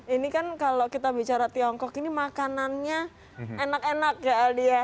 ini kan kalau kita bicara tiongkok ini makanannya enak enak ya aldi ya